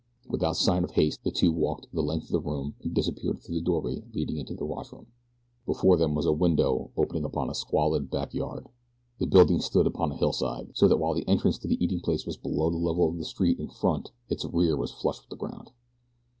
Without sign of haste the two walked the length of the room and disappeared through the doorway leading into the washroom. Before them was a window opening upon a squalid back yard. The building stood upon a hillside, so that while the entrance to the eating place was below the level of the street in front, its rear was flush with the ground.